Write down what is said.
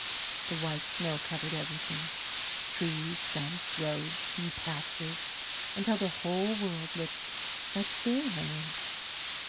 The white snow covered everything trees, stumps, roads, and pastures until the whole world looked like fairyland.